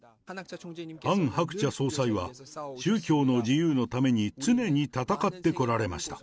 ハン・ハクチャ総裁は、宗教の自由のために常に戦ってこられました。